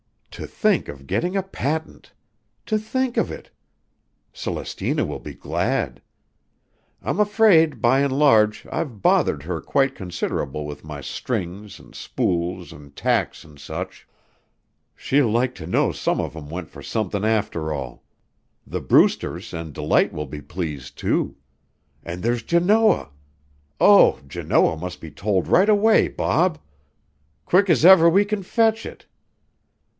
"To think of gettin' a patent! To think of it! Celestina will be glad. I'm afraid, by an' large, I've bothered her quite considerable with my strings, an' spools, an' tacks, an' such. She'll like to know some of 'em went for somethin', after all. The Brewsters an' Delight will be pleased, too. An' there's Janoah! Oh, Janoah must be told right away, Bob, quick's ever we can fetch it.